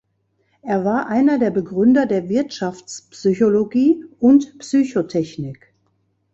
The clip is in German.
Er war einer der Begründer der Wirtschaftspsychologie und Psychotechnik.